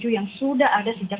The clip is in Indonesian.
yang sudah ada di negara